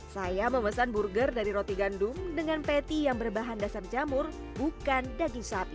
saya memesan burger dari roti gandum dengan patty yang berbahan dasar jamur bukan daging sapi